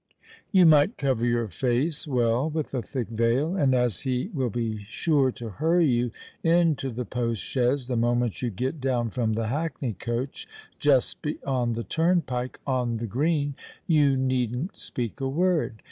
You might cover your face well with a thick veil; and as he will be sure to hurry you into the post chaise the moment you get down from the hackney coach just beyond the turnpike on the Green, you needn't speak a word.